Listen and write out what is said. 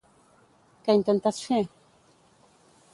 Què intentes fer?